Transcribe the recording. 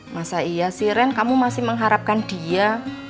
masa iya si ren kamu masih mengharapkan dia